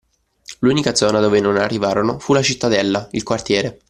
L’unica zona dove non arrivarono fu la cittadella, il quartiere